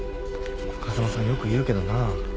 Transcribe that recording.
風間さんよく言うけどな。